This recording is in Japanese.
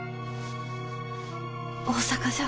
大阪じゃ。